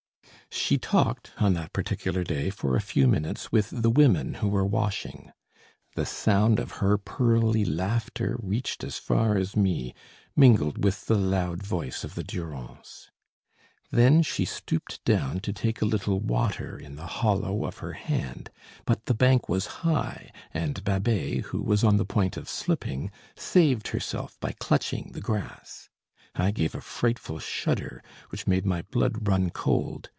She talked on that particular day for a few minutes with the women who were washing. The sound of her pearly laughter reached as far as me, mingled with the loud voice of the Durance. Then she stooped down to take a little water in the hollow of her hand; but the bank was high, and Babet, who was on the point of slipping, saved herself by clutching the grass. I gave a frightful shudder, which made my blood run cold.